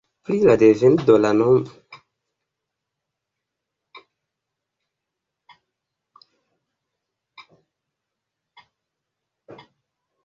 Pri la deveno de la nomo estas kelkaj hipotezoj.